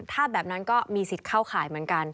ถ้าแบบนั้นก็มีสิทธิ์เข้าข่ายเหมือนกัน